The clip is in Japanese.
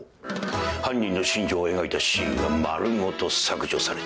犯人の心情を描いたシーンが丸ごと削除されています。